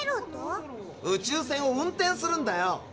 宇宙船を運転するんだよ。